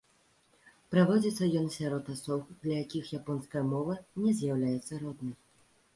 Праводзіцца ён сярод асоб, для якіх японская мова не з'яўляецца роднай.